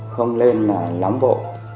không lên là lắm bộ